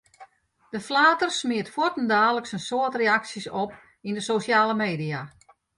De flater smiet fuortendaliks in soad reaksjes op yn de sosjale media.